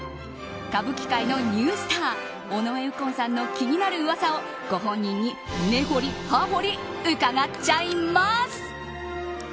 歌舞伎界のニュースター尾上右近さんの気になる噂をご本人に根掘り葉掘り伺っちゃいます！